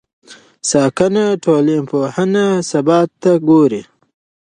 ساکنه ټولنپوهنه ثبات ته ګوري.